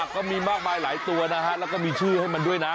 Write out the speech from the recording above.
ก็มีมากมายหลายตัวนะฮะแล้วก็มีชื่อให้มันด้วยนะ